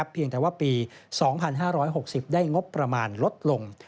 เพียงแต่ว่าปี๒๕๖๐ได้งบประมาณลดลง